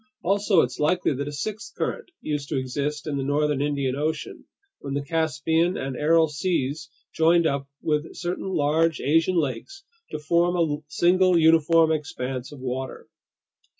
Also it's likely that a sixth current used to exist in the northern Indian Ocean, when the Caspian and Aral Seas joined up with certain large Asian lakes to form a single uniform expanse of water.